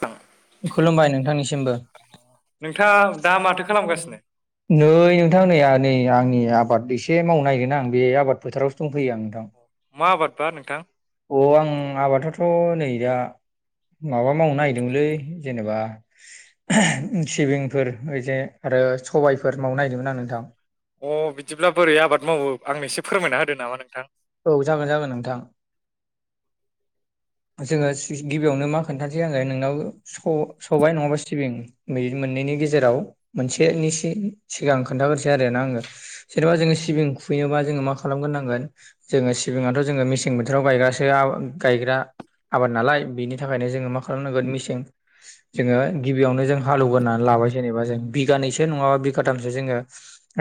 थां खुलुमबाय नोंथांनिसिमबो। नोंथाङा दा माथो खालामगासिनो [unintelligible] नै नोंथां नै आं नि आबाद एसे मावनो नागिरोन आं बे आबाद फोथारावसो दंफैयो आं नोंथां। मा आबाद बा नोंथां? अ आं आबादाथ' नै दा माबा मावनो नागिरदोंमोनलै जेनेबा सिबिंफोर ओइजे आरो सबायाइफोर मावनो नागिरदोंमोन आं नोंथां। अ बिदिब्ला बोरै आबाद मावो आंनो एसे फोरमायना होदो नामा नोंथां। औ जागोन जागोन नोंथां। जोङो सि गिबियावनो मा खोन्थानोसै आंङो नोंनाव सबाय नङाबा सिबिं मोननैनि गेजेराव मोनसेनि सि सिगां खोन्थाग्रोसै आरो ना आङो। जेनेबा जोङो सिबिं खुयोबा जोङो मा खालामगोरनांगोन जोङो सिबिाङाथथ' जोङो मे सें बोथोराव गायग्रासो आ गायग्रा आबाद नालाय। बेनि थाखायनो जोङो मा खालामनांगोन मेसें जोङो गिबियावनो जों हालौवगोना लाबाय जेनेबा जों। बिगानैसो नङाबा बिगाथाम सो जोंङो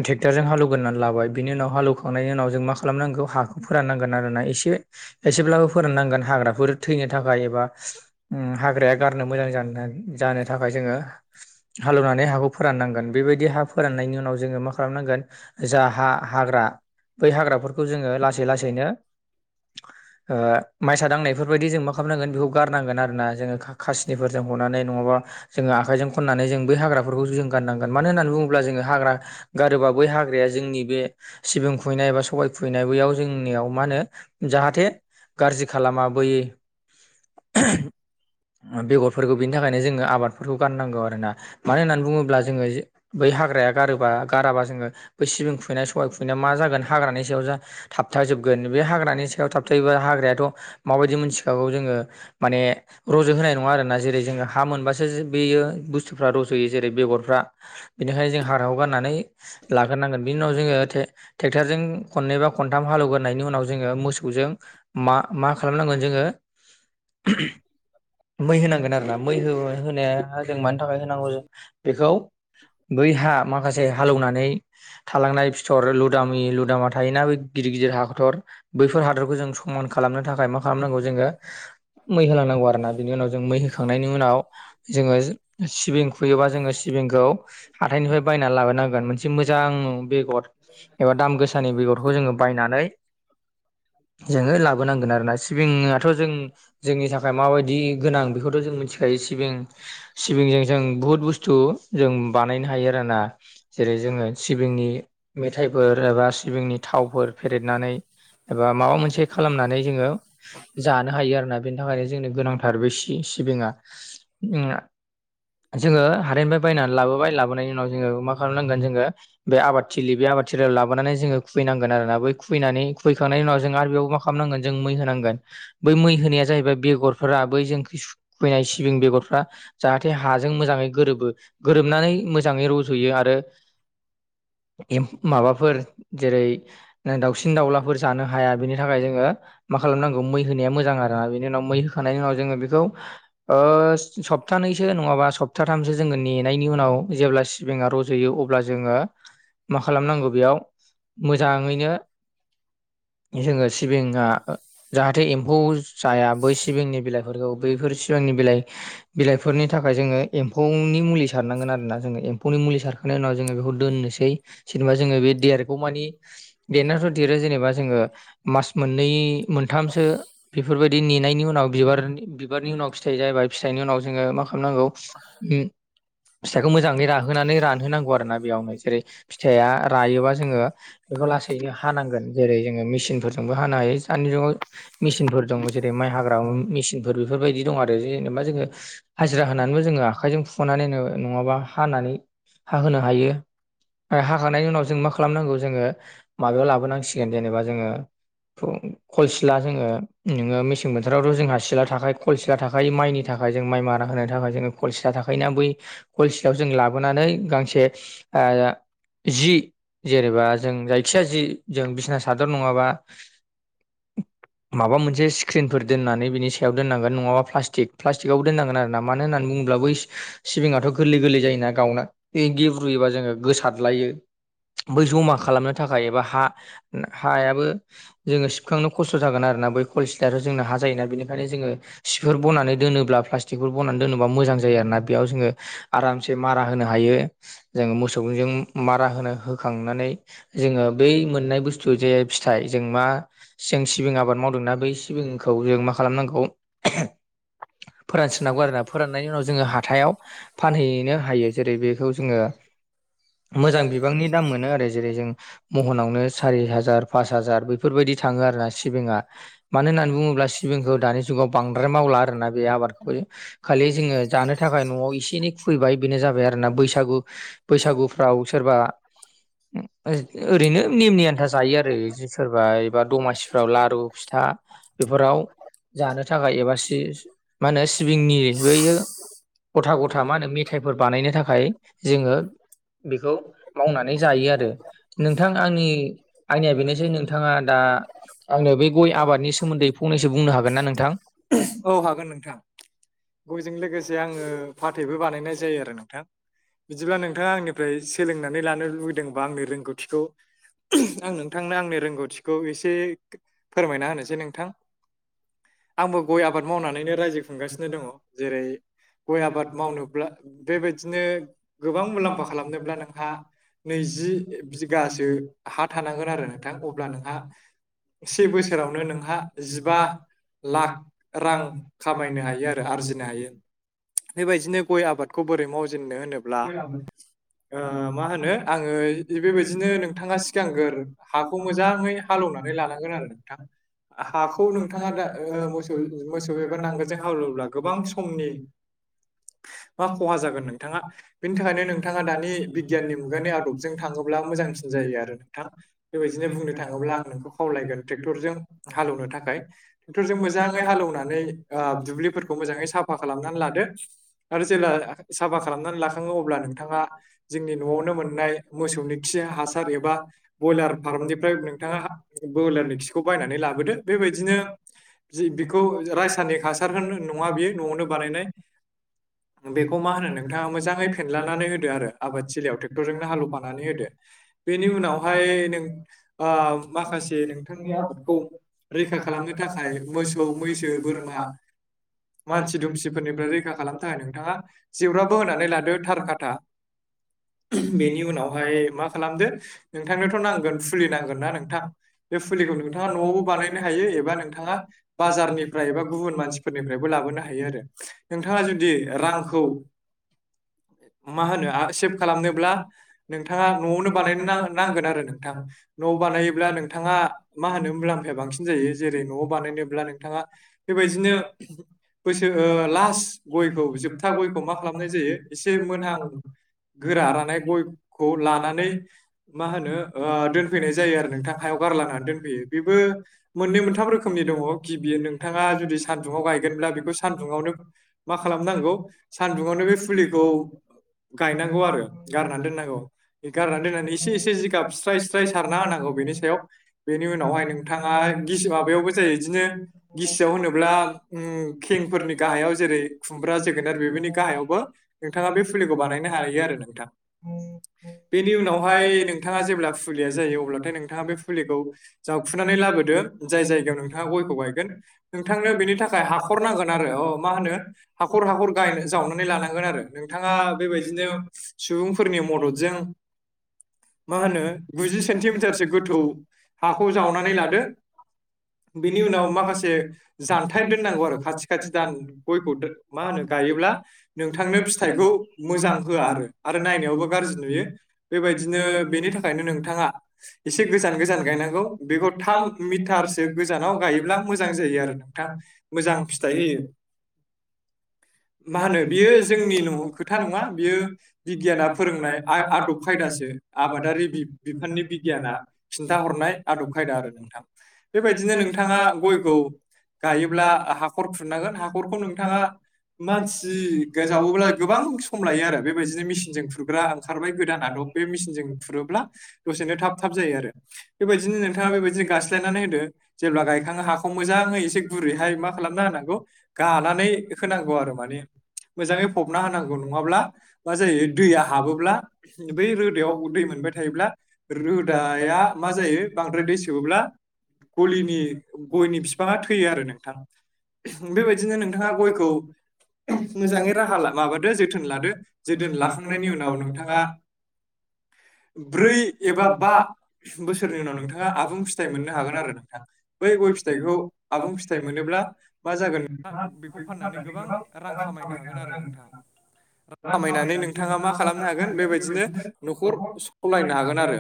ट्रेक्टरजों हालौगोननानै लाबाय बि उाव हालौ खांनायनि उनाव जों मा खालामनांगौ हाखौ फोराननांगोन आरोना। एसे एसेब्लाबो फोराननांगोन हाग्राफोर थैनो थाखाय एबा उम हाग्राया गारनो मोजां जा जानो थाखाय जोङो हा लौनानै हाखौ फोराननांगोन बेबायदि हा फोराननायनि उनाव जोङो मा खालामनांगोन जा हा-हाग्रा बै हाग्राफोरखौ जोङो लासै लासैनो ओ माइसा दांनाय बायदि जों मा खालामनांगोन बेखौ गारनांगोन आरो ना जों खासिनि फोरजों हनानै नङाबा जों आखाइजों खननानै जों बै हाग्राफोरखौ जों गारनांगोन। मानो होननानै बुङोब्ला जोङो हाग्रा गारोबा बै हाग्राया जोंनि बे सिबिं खुबैनाय एबा सबाय खुबैनाय बैयाव जोंनियाव मा होनो जाहाथे गाज्रि खालामा बै बेगरफोरखौ बिनि थाखायनो जोङो आबादफोरखौ गाननांगौ आरोना मानो होननानै बुङो ब्ला जोङो बै हाग्राया गारोबा गाराबा जोङो बै सिबिं खुबैनाय सबाय खुबैनाया मा जागोन हाग्रानि सायाव जा थाबथाजोबगोन बे हाग्रानि सायाव थाबथायोबा हाग्रायाथ' माबायदि मोनथिखागौ जोङो माने रज'होनाय नङा आरोना जेरै जोङो हा मोनबासो बेयो बुस्थुफ्रा रस'यो जेरै बेगरफ्रा बेनिखायनो जों हारायाव गाननानै लाग्रोनांगोन। बिनि उनाव जोङो टे-टेक्टरजों खननै बा खनथाम हालेवग्रोनायनि उनाव जोङो मोसौजों मा मा खालामनांगोन जोङो। मै होनांगोन आरोना मै होनाया जों मानि थाखाय होनांगौ जायो बेखौ बै हा माखासे हालेवनानै थालांनाय फिथर लुदामि लुदामा थायोना बे गिदिर गिदिर हादर बैफोर हादरखौ जों स समान खालामनो थाखाय मा खालामनांगौ जोङो मै होलांनांगौ आरोना बिनि उनाव जों मै होखांनायनि उनाव जोङो सिबिं खुबैयोबा जोङो सि‌ बिंखौ हाथाइनिफ्राय बायनानै लाबोनांगोन मोनसे मोजां बेगर एबा दाम गोसानि बेगरखौ जोङो बायनानै [inaudible] जोङो लाबोनांगोन आरोना। सिबिङाथ' जों जोंनि थाखाय माबायदि गोनां बेखौथ' जों मिथिखायो सिबिं सिबिंजों जों बुहुद बुस्थु जों बानायनो हायो आरो ना जेरै जोङो सिबिंनि मेथाइफो एबा सिबिंनि थावफोर फेरेदनानै एबा माबा मोनसे खालामनानै जोङो जानो हायो आरोना बेनि थाखायनो जोंनो गोनांथार बे सि सिबिङा [inaudible] जोङो हाथाइनिफ्राय बायनानै लाबोबाय लाबोनायनि उनाव जोङो मा खालामनांगोन जोङो बे आबादथिलि बे आबाद थिलियाव लाबोनानै जोङो खुबैनांगोन आरोना बै खुबैनानै खुबैखांनायनि उनाव जों आरो बेयाव मा खालामनांगोन जों मै होनांगोन बै मै होनाया जाहैबाय बेगर [inaudible] बै जों खुबैनाय सिबिं बेगरफ्रा जाहाथे हाजों मोजाङै गोरोबो गोरोबनानै मोजाङै रज'यो आरो [unintelligible] एम माबाफोर जेरै दाउसिन दाउलाफोर जानो हाया बेनि थाखाय जोङो माखासे खालामनांगौ मै होनाया मोजां आरो ना बेनि उनाव मै होखांनायनि उनाव जोङो बेखौ ओ सप्ताहनैसो नङाबा सप्ताथामसो जोङो नेनायनि उनाव जेब्ला सिबिङा रज'यो अब्ला जोङो मा खालामनांगौ बेयाव मोजाङैनो जोङो सिबिङा जाहाथे एम्फौ जाया बै सिबिंनि बिलाइफोरखौ बैफोर सिबिंनि बिलाइ बिलाइफोरनि थाखाय थाखाय जोङो एम्फौनि मुलि सारनांगोन आरोना जोङो एम्फौनि मुलि सारखांनायनि उनाव जोङो बेखौ दोननोसै जेनेबा जोङो बे देरगमानि देरनायाथ' देरो जेनेबा जोङो मास मोननै मोनथामसो बेफोरबायदि नेनायनि उनाव बिबारनि बिबारनि उनाव फिथाइ जाबा फिथाइनि उनाव जोङो मा खालाम नांगौ [inaudible] फिथाइखौ मोजाङै राहोनानै रानहोनांगौ आरो ना बेयावनो जेरै फिथाइया रायोबा जोङो बेखौ लासैनो हानांगोन जेरै जोङो मेसिनफोरजोंबो हानो हायो दानि जुगाव मेसिनफोर दं जेरै माइ हाग्रा मेसिनफोर बेफोरबायदि दं आरो जेनेबा जोङो हाजिरा होनानैबो जोङो आखाइजों फुनानैनो नङाबा हानानै हाहोनो हायो हाखांनायनि उनाव जों मा खालामनांगौ जोङो माबायाव लाबोनांसिगोन जेनेबा जोङो [unintelligible] खल सिला जोङो नोङो मेसें बोथोरावथ' जोंहा सिला थाखायो खल सिला थाख माइनि थाखाय जों माइ मारा होनो थाखाय जोङो कलसिटआ थाखायोना बै कलसिटआव जों लाबोनानै गांसे जि जेनेबा जों जायखिया जों बिसिना सादर नङाबा माबा मोनसे स्क्रिन दोन्नानै बिनि सायाव दोननांगोन नङाबा प्लास्टिक प्लास्टिकआवबो दोननांगोन आरोना मानो होन्नानै बुङोब्ला बै सिबिङथ' गोरलै गोरलै जायोना गावना बे गेब्रुयोबा जोङो गोसारलायो बै जमा खालामनो थाखाय एबा हा हायाबो जोङो सिबखांनो खस्थ' जोगोन सिथाराथ' जोंनो हा जायोना बेनिखायनो जोङो सिफोर बनानै दोनोब्ला प्लास्टिकफोर बनानै दोनोबा मोजां जायोना याव जोङो आरामसे मारा होनो हायो जों मोसौजों ज मारा होनो होखांनानै जोङो बै मोननाय बुस्थु जे फिथाइ जों मा जों सिबिं आबाद मावदोंना बै सिबिंखौ जों मा खालामनांगौ फोरानसननांगौ आरोना फोराननायनि उनाव जोङो हाथायाव फानहैनो हायो जेरै बेखौ जोङो मोजां बिबांनि दाम मोनो आरो जेरै जों महनावनो सारि हाजार पास हाजार बैफोरबायदि थाङो आरोना सिबिंआ मानो होननानै बुङोब्ला सिबिखौ दानि जुगाव बांद्राय मावला आरोना बे आबादखौ खालि जोङो जानो थाखाय न'आव इसे एनै खुबैबाय बेनो जाबाय आरो ना बैसागु बैसागुफ्राव सोरबा ओरैनो नेमनि आन्था जायो आरो सोरबा एबा दमासिफ्राव लारु फिथा बेफोराव जानो थाखाय एबा सि मा होनो सिबिंनि बैयो [unintelligible] गथा गथा मा होन मेथाइ बानायनो थाखाय जोङो बेखौ मावनानै जायो आरो नोंथां आंनि आंनिया बेनोसै नोंथाङा दा आंनो बे गय आबादनि सोमोन्दै फंनैसो बुंनो हागोन ना नोंथां औ हागोन नोंथां गयजों लोगोसे आङो फाथैबो बानायनाय जायो आरो नोंथां बिदिब्ला नोंथाङा आंनिफ्राय सोलोंनानै लानो लुबैदोंबा आंनि रोंगौथिखौ आं नोंथांनो आंनि रोंगौथिखौ एसे फोरमायना होनोसै नोंथां आंबो गय आबाद मावनानैनो रायजो खुंगासिनो दङ जेरै गय आबाद मावनोब्ला बेबायदिनो गोबां मुलाम्फा खालामनोब्ला नोंहा नैजि बिगासो हा थानांगोन आरो नोंथां अब्ला नोंहा से बोसोरावनो नोंहा जिबा लाख रां खामायनो हायो आरो आरजिनो हायो बेबायदिनो गय आबादखौ बोरै मावो जोननो होनोब्ला मा होनो आङो बेबायदिनो नोंथाङा सिगांग्रो हाखौ मोजाङै हालेवनानै लानांगोन आरो नोंथां हाखौ नोंथाङा दा मोसौ मोसौ एबा नांगोलजों हालोब्ला गोबां समनि मा खहा जागोन नोंथाङा बेनि थाखायनो नोंथाङा दानि बिगियाननि मुगानि आदबजों थाङोब्ला मोजांसिन जायो आरो नोंथां बेबायदिनो बुंनो थाङोब्ला आं नोंखौ खावलायगोन ट्रेक्टरजों हालौवनो थाखाय ट्रेक्टरजों मोजाङै हालौवनानै ओ दुब्लिफोरखौ मोजाङै साफा खालामनानै लादो आरो जेब्ला साफा खालामनानै लाखाङो अब्ला नोंथाङा जोंनि न'आवनो मोननाय मोसौनि खि हासार एबा ब्रयलार फार्मनिफ्राय नोंथाङा ब्रयलारनि खिखौ बायनानै लाबोदो बेबायदिनो बिखौ रायसनिक हासार होन नङा बियो न'आवनो बानायनाय बेखौ मा होनो नोंथाङा मोजाङै फेनलानानै होदो आरो आबाद थलियाव ट्रेक्टरजोंनो हालौ फानानै होदो बेनि उनावहाय नों ओ माखासे नोंथांनि आबादखौ रैखा खालामनो थाखाय मोसौ मैसो बोरमा मानसि दुमसिफोरनिफ्राय रैखा खालामनो थाखाय नोंथाङा जेव्राबो होनानै लादो गोथार खाथा बेनि उनाव ओमहाय मा खालामदो नोंथांनोथ' नांगोन फुलि नांगोनना नोंथां बे फुलिखौ नोंथाङा न'आवबो बानायनो हायो एबा नोंथाङा बाजारनिफ्राय एबा गुबुन मानसिफोरनिफ्रायबो ला लाबोनो हायो आरो नोंथाङा जुदि रांखौ मा होनो सेभ खालामनोब्ला नोंथाङा न'आवनो बानायनो नांगोन आरो नोंथां न'आव बानायोब्ला नोंथाङा मा होनो होनब्ला बांसिन जायो जेरै न'आव बानायनोब्ला नोंथाङा बेबायदिनो बोसोर लास्ट गयखौ जोबथा गयखौ मा खालामनाय जायो ए से मोनहां गोरा रानाय गय खौ लानानै मा होनो ओ दोनफैनाय जायो आरो नोंथां हायाव गारलायनानै दोनफैयो बेबो मोननै मोनथाम रोखोमनि दङ गिबि नोंथाङा जुदि सान्दुङाव गायगोनब्ला बेखौ सानदुंआवनो मा खालामनांगौ सानदुङावनो बे फुलिखौ गायनांगौ आरो गारनानै दोननांगौ गारनानै दोननानै एसे एसे जिगाब स्राय स्राय सारना होनांगौ बेनि सायाव बेनि उनावहाय नोंथाङा गिस माबायावबो जायो बिदिनो गिसियाव होनोब्ला खेंफोरनि गाहायाव जेरै खुमब्रा जोगोनार बेफोरनि गाहायावबो नोंथाङा बे फुलिखौ बानायनो हायो आरो नोंथां [inaudible] बेनि उनावहाय नोंथाङा जेब्ला फुलिया जायो अब्लाथाय नोंथाङा बे फुलिखौ जावखुनानै लाबोदो जाय जायगायाव नोंथाङा गयखौ गायगोन नोंथांनो बेनि थाखाय हाखर नांगोन आरो अ मा होनो हाखर हाखर गाय जावनानै लानांगोन आरो नोंथाङा बेबायदिनो सुबुंफोरनि मदद [unintelligible] मा होनो गुजि सेन्टिमिटारसो गोथौ हाखौ जावनानै लादो बेनि उनाव माखासे जानथाइ दोननांगौ आरो खाथि खाथि दान गयखौ मा होनो गायोब्ला नोंथांनो फिथाइखौ मोजां होआ आरो नायनायावबो गाज्रि नुयो बेबायदिनो बेनि थाखायनो नोंथाङा एसे गोजान गोजान गायनांगौ बेखौ थाब मिटारसो गोजानाव गायोब्ला मोजां जायो आरो नोंथां मोजां फिथाइ होयो मा होनो बियो जों खोथा नङा बियो बिगियाना फोरोंनाय आ आदब खायदासो आबादारि बि-बिफाननि बिगियाना खिन्था हरनाय आदब खायदा आरो नोंथां। बेबायदिनो नोंथाङा गयखौ गायोब्ला हाखर खुरनांगोन। हाखरखौ नोंथाङा मानसि गोजावो गोबां सम लायो आरो। बेबायदिनो मेसिनजों खुरग्रा खारबाय गोदानाथ बे मसिनजों खुरोब्ला दसेनो थाब थाब जायो आरो। बेबायदिनो नोंथाङा बेबादि गायलायनानै होदो जेब्ला गायखाङो हाखौ मोजाङै एसे गुरैहाय मा खालामना होनांगौ गानानै इ होनांगौ आरो माने मोजाङै फबना होनांगौ नङाब्ला मा जायो दैया हाबोब्ला बै रोदायाव दै मोनबाय थायोब्ला रोदाया मा जायो बांद्राय दै सोबोला गलिनि गयनि बिफाङा थैयो आरो नोंथां। बेबायदिनो नोंथाङा गयखौ मोजाङै राहा ला माबा दो जोथोन लादो जोदोन लाखांनायनि उनाव नों नोंथाङा ब्रै एबा बा बोसोरनि उनाव नोंथाङा आबुं फिथाइ मोननो हागोन आरो नोंथांआ। बै गय फिथाइखौ आबुं फिथाइ मोनोब्ला आ मा जागोन बेखौ फाननानै गोबां रां खामायनो हागोन आरो नोंथां। ओ खामायनानै नोंथाङा मा खालाम नो हागोन बेबायदिनो न'खर सलायनो हागोन आरो।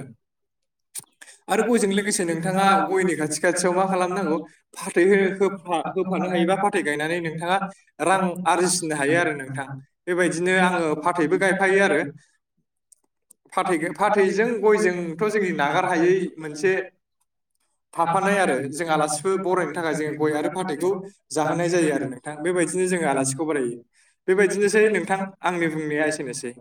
आरो गयजों लोगोसे नोंथाङा गयनि खाथि खाथियाव मा खालामनांगौ फाथै हो हो फा होफानो हायोबा फाथै गायनानै नोंथाङा रां आरजिसिनो हायो आरो नोंथां। बेबायदिनो आङो फाथैबो गायफायो आरो। फाथै फाथैजों गयजोंथ' जोंनि नागार हायै मोनसे थाफानाय आरो, जों आलासिफोर बरायनो थाखाय जोङो गय आरो फाथैखौ जाहोनाय जायो आरो नोंथां। बे बेबायदिनो जोङो आलासिखौ बरायो। बेबायदिनोसै नोंथां आंनि बुंनाया एसेनोसै।